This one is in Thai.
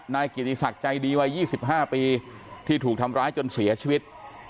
นายเกียรติศักดิ์ใจดีวัย๒๕ปีที่ถูกทำร้ายจนเสียชีวิต